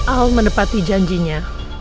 al menepati janjinya